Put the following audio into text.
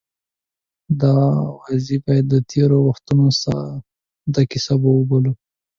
دا اوازې باید د تېرو وختونو ساده کیسه وبولو.